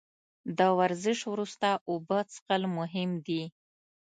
د ورزش وروسته اوبه څښل مهم دي